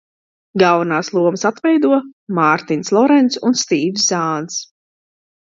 Galvenās lomas atveido Mārtins Lorenss un Stīvs Zāns.